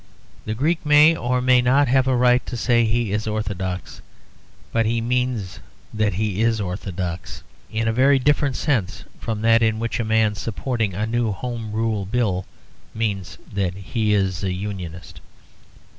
The Greek may or may not have a right to say he is Orthodox, but he means that he is Orthodox; in a very different sense from that in which a man supporting a new Home Rule Bill means that he is Unionist.